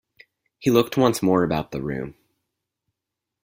He looked once more about the room.